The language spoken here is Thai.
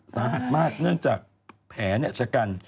สาหัสมากเนื่องจากแผลชะกัน